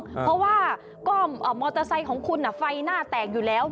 เพราะว่ามอเตอร์ไซค์ของคุณไฟหน้าแตกอยู่แล้ว